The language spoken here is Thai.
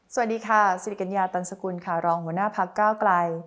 สวัสดีค่ะสิริกัญญาตรรรศกุลข่าวรองค์หมุนหน้าภักดิ์เกล้ากลาย